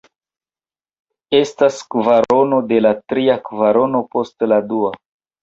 Estas kvarono de la tria kvarono post la dua.